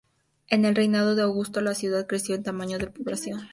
En el reinado de Augusto, la ciudad creció en tamaño y población.